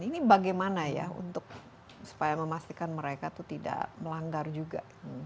ini bagaimana ya untuk supaya memastikan mereka itu tidak melanggar juga